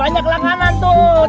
eh banyak langanan tuh